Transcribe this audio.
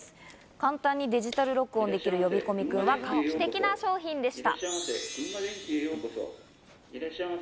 簡単にデジタル録音できる呼び込み君は画期的な商品でした。